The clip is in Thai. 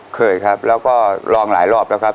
เคยครับแล้วก็ลองหลายรอบแล้วครับ